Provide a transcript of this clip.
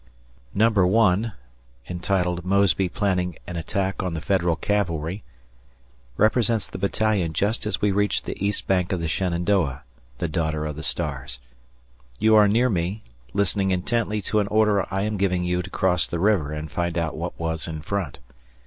Number 1 ("Mosby Planning an Attack on the Federal Cavalry") represents the battalion just as we reached the east bank of the Shenandoah "the daughter of the stars." You are near me, listening intently to an order I am giving you to cross the river and find out what was in front.